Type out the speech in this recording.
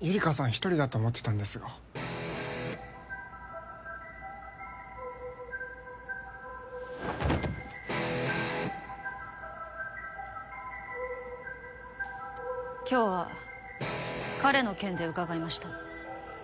一人だと思ってたんですが今日は彼の件で伺いました